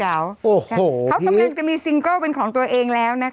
เขากำลังจะมีซิงเกิลเป็นของตัวเองแล้วนะคะ